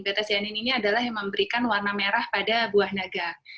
beta sianin ini adalah yang memberikan warna merah pada buah naga